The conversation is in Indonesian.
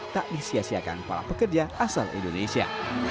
tak disiasiakan para pekerja asal indonesia